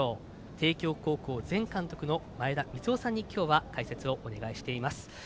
帝京高校前監督の前田三夫さんに今日は解説をお願いしています。